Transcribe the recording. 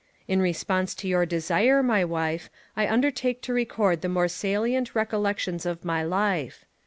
^ In response to your desire, mj wife, I undertake to record the more salient recollections of my life.